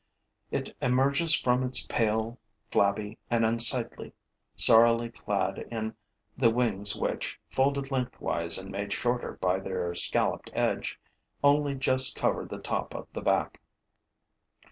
It emerges from it pale, flabby and unsightly, sorrily clad in the wings which, folded lengthwise and made shorter by their scalloped edge, only just cover the top of the back.